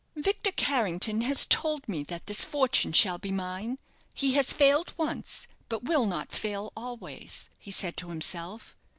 "Victor Carrington has told me that this fortune shall be mine; he has failed once, but will not fail always," he said to himself.